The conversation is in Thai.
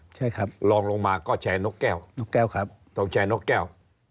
ใช่ครับลองลงมาก็แชร์นกแก้วนกแก้วครับต้องแชร์นกแก้ว